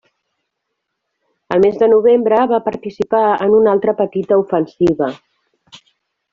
El mes de novembre va participar en una altra petita ofensiva.